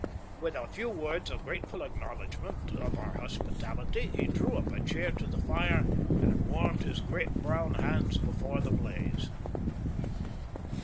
With a few words of grateful acknowledgment of our hospitality, he drew a chair up to the fire and warmed his great, brown hands before the blaze.